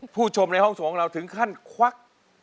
ผู้ชมในห้องส่งของเราถึงขั้นควัก